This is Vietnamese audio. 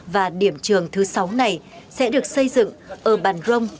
và điểm trường thứ sáu này sẽ được xây dựng ở bàn rông